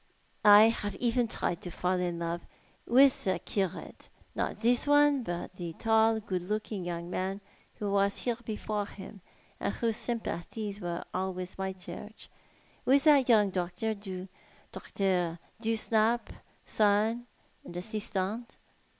" I have even tried to fall in love — with a curate ; not this one, but the tall, good looking young man who was here before him, aud whose sympathies were all with my church — with that young doctor, Dr. Dewsnap's son and assistant.